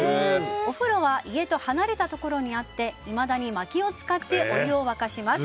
お風呂は家と離れたところにあっていまだにまきを使ってお湯を沸かします。